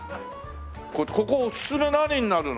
ここおすすめ何になるの？